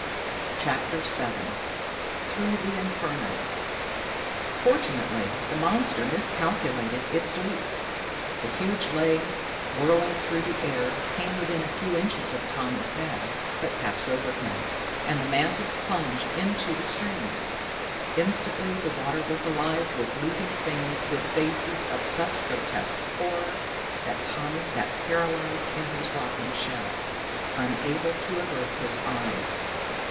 CHAPTER VII Through the Inferno Fortunately, the monster miscalculated its leap. The huge legs, whirling through the air, came within a few inches of Tommy's head, but passed over him, and the mantis plunged into the stream. Instantly the water was alive with leaping things with faces of such grotesque horror that Tommy sat paralyzed in his rocking shell, unable to avert his eyes.